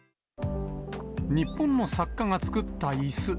日本の作家が作ったいす。